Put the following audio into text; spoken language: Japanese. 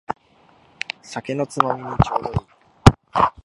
酒のつまみにちょうどいい